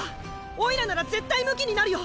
おいらなら絶対ムキになるよ！